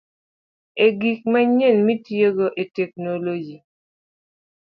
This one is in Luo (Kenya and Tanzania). E gik manyien mitiyogo e teknoloji.